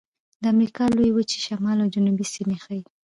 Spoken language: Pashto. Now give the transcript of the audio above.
د امریکا لویې وچې شمالي او جنوبي سیمې ښيي.